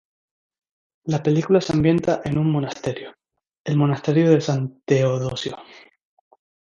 La película se ambienta en un monasterio, el monasterio de San Teodosio.